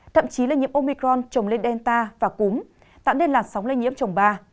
thậm chí là nhiễm omicron trồng lên delta và cúm tạo nên làn sóng lây nhiễm trồng ba